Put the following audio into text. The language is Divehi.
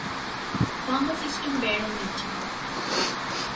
ފާމަސިސްޓުން ބޭނުންވެއްޖެ